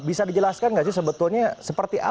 iya memang keadanya seperti itu